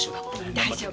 大丈夫。